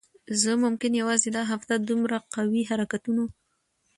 زه ممکن یوازی دا هفته دومره قوي حرکتونو